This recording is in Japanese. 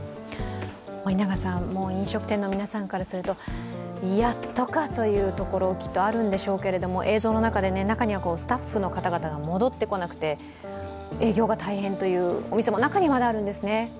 森永さん、飲食店の皆さんからすると、やっとかというところがきっとあるかと思うんですが映像の中で中にはスタッフの方々が戻ってこなくて、営業が大変というお店も中にはあるんですね。